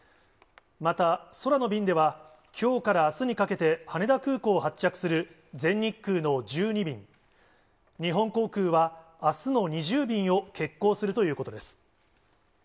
また、空の便では、きょうからあすにかけて羽田空港を発着する全日空の１２便、日本航空はあすの２０便を欠航するということです。